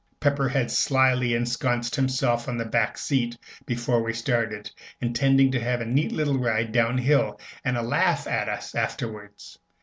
Pepper had slyly ensconced himself on the back seat before we started, intending to have a neat little ride down hill, and a laugh at us afterwards.